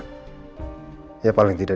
dia terus beku